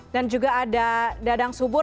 dan juga ada dadang subur